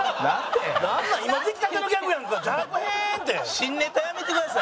新ネタやめてください。